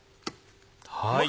はい。